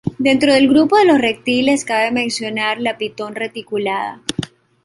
Dentro del grupo de los reptiles, cabe mencionar la pitón reticulada.